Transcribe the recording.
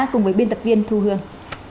cùng với biên tập viên thu hương